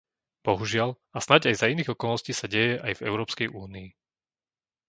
Bohužiaľ a snáď aj za iných okolností sa deje aj v Európskej únii.